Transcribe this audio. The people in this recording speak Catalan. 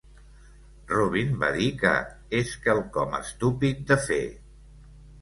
Rubin va dir que "és quelcom estúpid de fer".